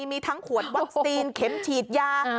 มีทั้งขวดวัคซีนเข็มฉีดยา